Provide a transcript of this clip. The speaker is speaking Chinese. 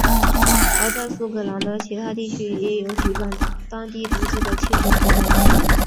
而在苏格兰的其他地区也举办有当地独自的庆祝活动。